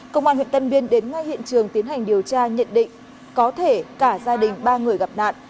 công an huyện tân biên đến ngay hiện trường tiến hành điều tra nhận định có thể cả gia đình ba người gặp nạn